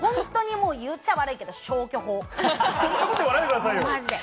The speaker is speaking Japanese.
言っちゃ悪いけど、消去法。